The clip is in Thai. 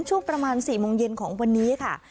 ช่วงประมาณ๔โมงเย็นของวันนี้ค่ะ